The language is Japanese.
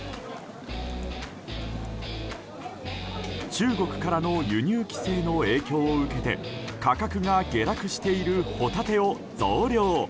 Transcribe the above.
中国からの輸入規制の影響を受けて価格が下落しているホタテを増量。